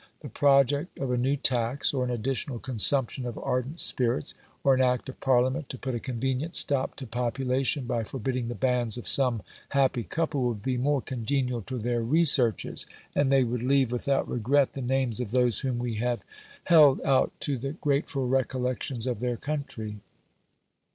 The project of a new tax, or an additional consumption of ardent spirits, or an act of parliament to put a convenient stop to population by forbidding the banns of some happy couple, would be more congenial to their researches; and they would leave without regret the names of those whom we have held out to the grateful recollections of their country.